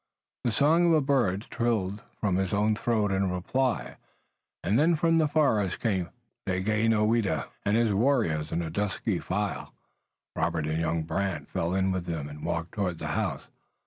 The song of a bird trilled from his own throat in reply, and then from the forest came Daganoweda and his warriors in a dusky file. Robert and young Brant fell in with them and walked toward the house.